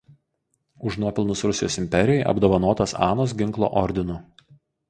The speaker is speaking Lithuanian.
Už nuopelnus Rusijos imperijai apdovanotas Anos ginklo ordinu.